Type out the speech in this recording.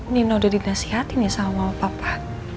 nino udah dinasihati nih sama papa